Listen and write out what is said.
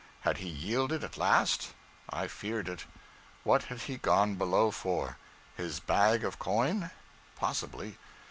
Had he yielded at last? I feared it. What had he gone below for? His bag of coin? Possibly.